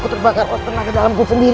aku terbakar aku pernah ke dalamku sendiri